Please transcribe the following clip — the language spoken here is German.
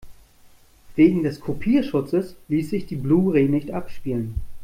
Wegen des Kopierschutzes ließ sich die Blu-ray nicht abspielen.